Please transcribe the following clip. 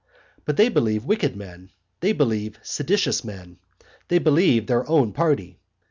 But they believe wicked men, they believe seditious men, they believe their own party.